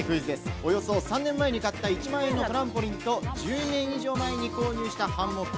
およそ３年前に買った１万円のトランポリンと、１０年以上前に購入したハンモック。